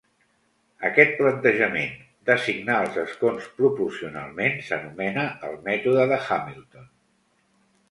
Aquest plantejament d'assignar els escons proporcionalment s'anomena el mètode de Hamilton.